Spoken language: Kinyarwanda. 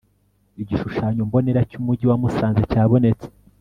igishushanyo mbonera cy'umujyi wa musanze cyabonetse